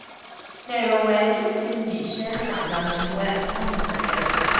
内容为中学女生想要成为偶像的故事。